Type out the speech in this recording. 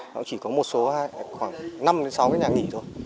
họ chỉ có một số khoảng năm sáu cái nhà nghỉ thôi